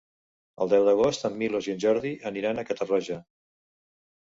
El deu d'agost en Milos i en Jordi aniran a Catarroja.